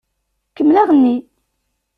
Kemmel aɣenni!